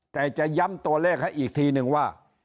แต่จะย้ำตัวเลขให้อีกทีนึงว่า